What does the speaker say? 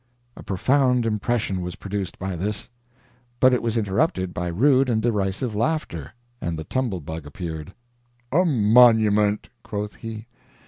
A profound impression was produced by this. But it was interrupted by rude and derisive laughter and the Tumble Bug appeared. "A monument!" quoth he.